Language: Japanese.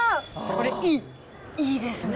これ、いい、いいですね。